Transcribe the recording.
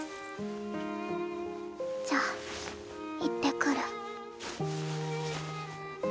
じゃあ行ってくる。